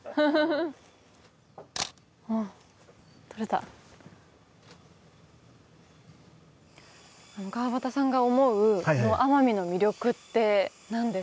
撮れた川畑さんが思う奄美の魅力って何です？